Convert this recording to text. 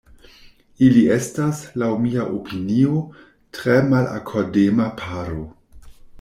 Ili estas, laŭ mia opinio, tre malakordema paro.